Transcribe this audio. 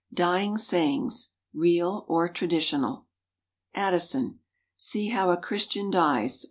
=Dying Sayings=, Real or Traditional. Addison. "See how a Christian dies!"